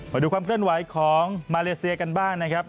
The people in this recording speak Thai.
มาดูความเคลื่อนไหวของมาเลเซียกันบ้างนะครับ